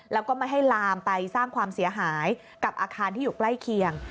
แล้วก็ไม่ให้ลามไปสร้างความเสียหายกับอาคารที่อยู่ใกล้เคียง